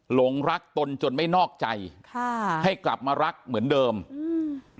หลงรักตนจนไม่นอกใจค่ะให้กลับมารักเหมือนเดิมอืม